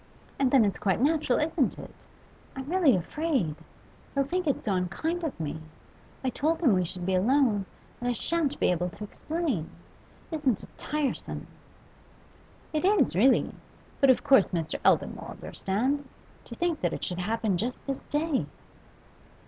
And then it's quite natural, isn't it? I'm really afraid. He'll think it so unkind of me. I told him we should be alone, and I shan't be able to explain. Isn't it tiresome?' 'It is, really! But of course Mr. Eldon will understand. To think that it should happen just this day!